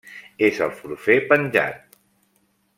És el forfet penjat.